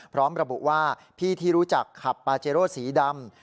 พร้อมระบุว่าพี่ที่รู้จักขับปาเจโร่สีดำ